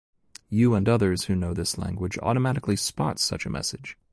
You and others who know this language automatically spot such a message.